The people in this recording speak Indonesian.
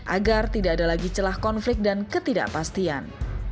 agar tidak ada lagi celah konflik dan ketidakpastian